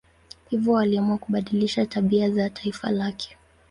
Hivyo aliamua kubadilisha tabia za taifa lake.